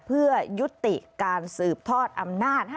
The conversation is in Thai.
เพื่อยุติการสืบทอดอำนาจ